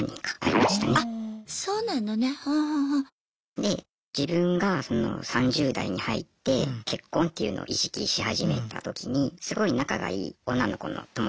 で自分がその３０代に入って結婚というのを意識し始めた時にすごい仲がいい女の子の友達がいたんですね。